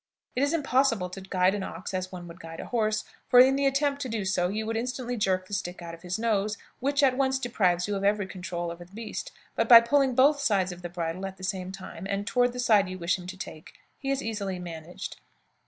It is impossible to guide an ox as one would guide a horse, for in the attempt to do so you would instantly jerk the stick out of his nose, which at once deprives you of every control over the beast; but by pulling both sides of the bridle at the same time, and toward the side you wish him to take, he is easily managed.